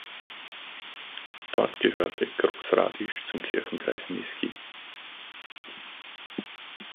Dort gehörte Groß Radisch zum Kirchenkreis Niesky.